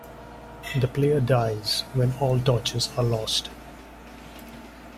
The player dies when all torches are lost.